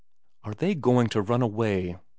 ' Are they going to run away ?